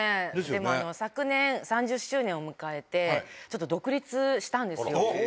昨年、３０周年を迎えて、ちょっと独立したんですよ。